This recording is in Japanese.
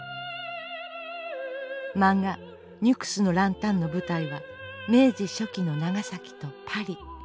漫画「ニュクスの角灯」の舞台は明治初期の長崎とパリ。